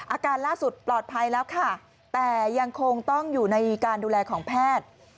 อาการล่าสุดปลอดภัยแล้วค่ะแต่ยังคงต้องอยู่ในการดูแลของแพทย์